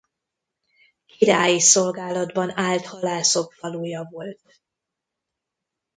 Királyi szolgálatban állt halászok faluja volt.